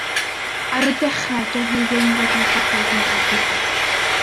Ar y dechrau doedd hi ddim wedi'i hoffi hi o gwbl.